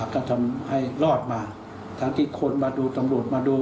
ก็ทำให้รอดมาทั้งที่คนมาดูตำรวจมาดู